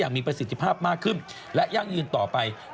มีประสิทธิภาพมากขึ้นและยั่งยืนต่อไป